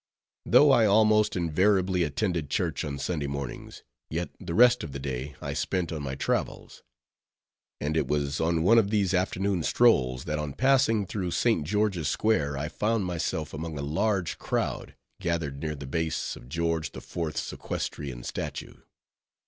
Though I almost invariably attended church on Sunday mornings, yet the rest of the day I spent on my travels; and it was on one of these afternoon strolls, that on passing through St. George's square, I found myself among a large crowd, gathered near the base of George the Fourth's equestrian statue.